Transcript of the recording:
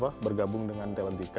silahkan bergabung di talentika